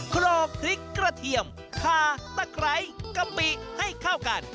ครอพริกกระเทียมคาตะไคร้กะปิให้เข้ากัน